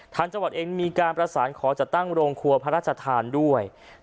ทางจังหวัดเองมีการประสานขอจัดตั้งโรงครัวพระราชทานด้วย